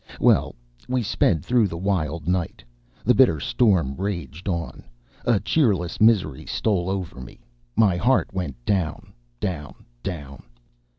Well, we sped through the wild night, the bitter storm raged on, a cheerless misery stole over me, my heart went down, down, down!